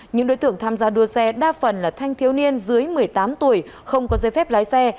những đối tượng tham gia đua xe đa phần là thanh thiếu niên dưới một mươi tám tuổi không có dây phép lái xe